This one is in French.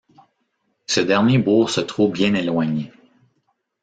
Ce dernier bourg se trouve bien éloigné.